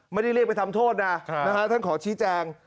ไม่ได้เรียกไปทำโทษนะท่านขอชี้แจง